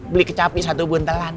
beli kecapi satu buntelan